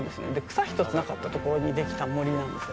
草一つなかったところにできた森なんですよ。